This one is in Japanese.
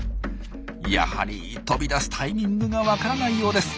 やはり飛び出すタイミングが分からないようです。